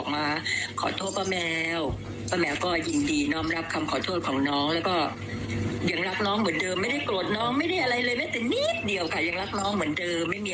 ไม่มีอะไรเกิดขึ้นเลยนะคะ